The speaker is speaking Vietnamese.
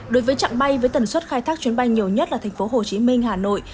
đối với trạng bay với tần suất khai thác chuyến bay nhiều nhất là tp hcm hà nội